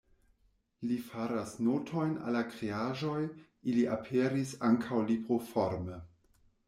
Li faras notojn al la kreaĵoj, ili aperis ankaŭ libroforme.